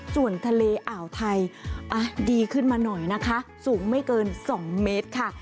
ส่วนทะเลอ่าวไทยดีขึ้นมาหน่อยนะคะสูงไม่เกิน๒เมตรค่ะ